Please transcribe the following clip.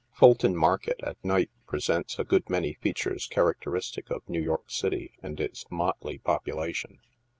Fulton Market, at night, presents a good many features character istic of New York city and its motley population.